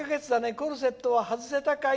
コルセットは外せたかい？